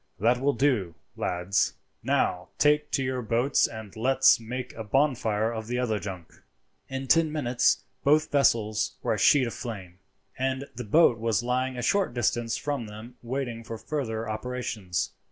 "That will do, lads. Now take to your boats and let's make a bonfire of the other junk." In ten minutes both vessels were a sheet of flame, and the boat was lying a short distance from them waiting for further operations.